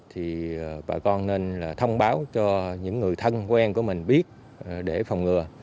thì bà con nên là thông báo cho những người thân quen của mình biết để phòng ngừa